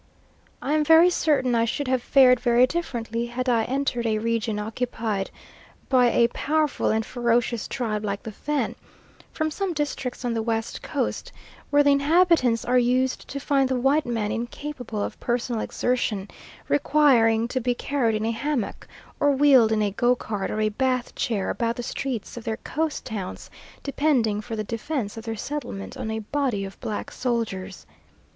I am very certain I should have fared very differently had I entered a region occupied by a powerful and ferocious tribe like the Fan, from some districts on the West Coast, where the inhabitants are used to find the white man incapable of personal exertion, requiring to be carried in a hammock, or wheeled in a go cart or a Bath chair about the streets of their coast towns, depending for the defence of their settlement on a body of black soldiers.